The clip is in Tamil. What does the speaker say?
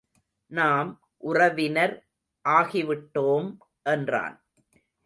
நாம் உறவினர் ஆகிவிட்டோம் என்றான்.